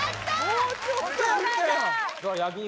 もうちょっとやったやん焼肉